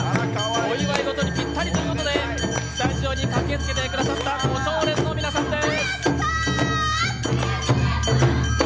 お祝い事にぴったりということでスタジオに駆けつけていただいた胡蝶蓮の皆さんです。